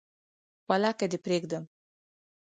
ولاکه دي پریږدم